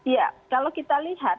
ya kalau kita lihat